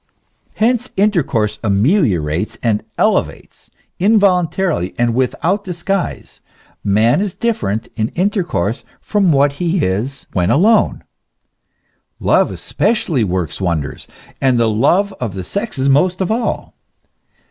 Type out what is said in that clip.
Hence intercourse ameliorates and elevates ; involuntarily and without disguise, man is different in intercourse from what he is when alone. Love especially works wonders, and the love of the sexes most of all.